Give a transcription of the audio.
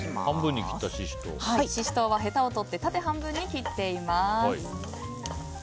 シシトウはへたを切って縦半分に切っています。